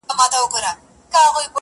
دا چي انجوني ټولي ژاړي سترگي سرې دي.